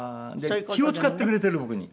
気を使ってくれてる僕に。